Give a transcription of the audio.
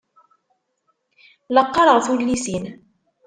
La qqareɣ tullisin.